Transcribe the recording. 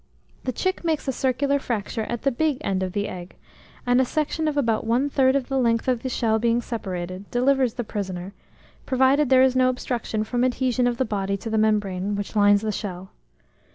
The chick makes a circular fracture at the big end of the egg, and a section of about one third of the length of the shell being separated, delivers the prisoner, provided there is no obstruction from adhesion of the body to the membrane which lines the shell.